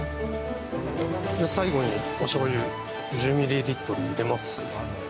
最後に、おしょうゆ１０ミリリットル入れます。